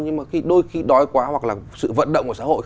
nhưng mà khi đôi khi đói quá hoặc là sự vận động của xã hội